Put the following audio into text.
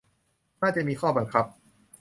น่าจะมีข้อบังคับ